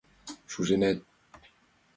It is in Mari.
Шуженат